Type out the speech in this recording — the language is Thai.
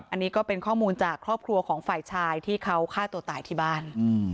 อันนี้ก็เป็นข้อมูลจากครอบครัวของฝ่ายชายที่เขาฆ่าตัวตายที่บ้าน